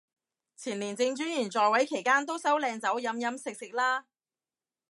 前廉政專員在位期間都收靚酒飲飲食食啦